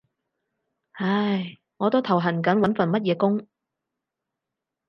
唉，我都頭痕緊揾份乜嘢工